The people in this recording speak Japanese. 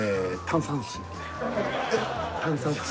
炭酸水。